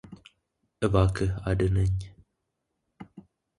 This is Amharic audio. እባክህ አድነኝ፡፡